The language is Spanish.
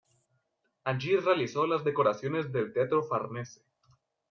Allí realizó las decoraciones del Teatro Farnese.